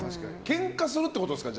けんかするってことですか？